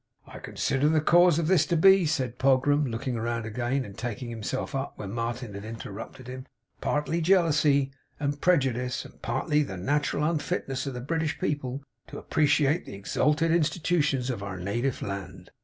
'I con sider the cause of this to be,' said Pogram, looking round again and taking himself up where Martin had interrupted him, 'partly jealousy and pre judice, and partly the nat'ral unfitness of the British people to appreciate the ex alted Institutions of our native land.